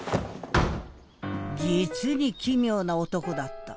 実に奇妙な男だった。